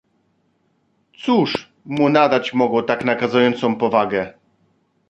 "Cóż mu nadać mogło tę nakazującą powagę?"